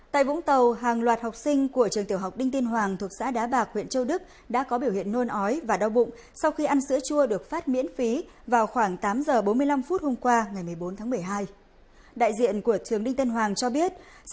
các bạn hãy đăng ký kênh để ủng hộ kênh của chúng mình nhé